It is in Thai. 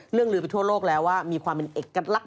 ลือไปทั่วโลกแล้วว่ามีความเป็นเอกลักษณ